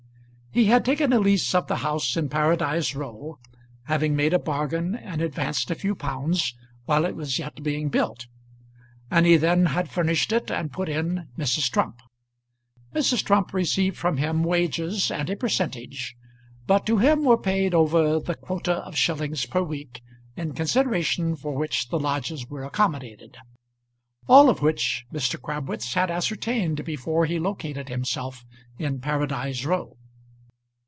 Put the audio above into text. He had taken a lease of the house in Paradise Row, having made a bargain and advanced a few pounds while it was yet being built; and he then had furnished it and put in Mrs. Trump. Mrs. Trump received from him wages and a percentage; but to him were paid over the quota of shillings per week in consideration for which the lodgers were accommodated. All of which Mr. Crabwitz had ascertained before he located himself in Paradise Row.